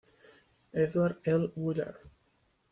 Edward L. Willard.